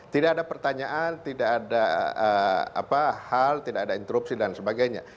tidak ada pertanyaan tidak ada hal tidak ada interupsi dan sebagainya